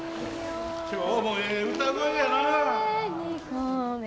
今日もええ歌声やな。